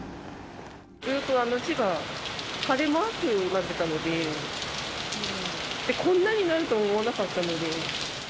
ずっと千葉、晴れマークになってたので、こんなになると思わなかったので。